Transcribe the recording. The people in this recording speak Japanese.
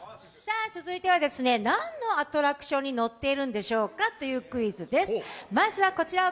続いては何のアトラクションに乗っているんでしょうかというクイズです。